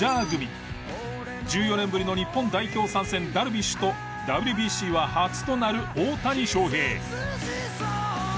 １４年ぶりの日本代表参戦ダルビッシュとＷＢＣは初となる大谷翔平。